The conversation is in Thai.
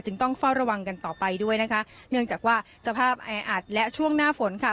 ต้องเฝ้าระวังกันต่อไปด้วยนะคะเนื่องจากว่าสภาพแออัดและช่วงหน้าฝนค่ะ